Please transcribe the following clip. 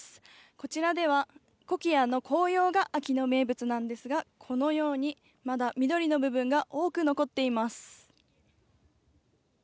こちらではコキアの紅葉が秋の名物なんですがこのようにまだ緑の部分が多く残っています。